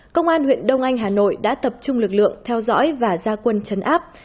công an huyện đông anh hà nội đã tập trung lực lượng theo dõi và gia quân chấn áp